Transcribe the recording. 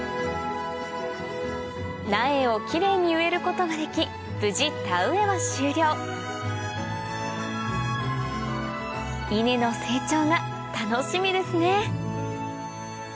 苗をキレイに植えることができ無事田植えは終了イネの成長が楽しみですね